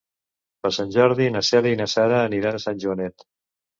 Per Sant Jordi na Cèlia i na Sara aniran a Sant Joanet.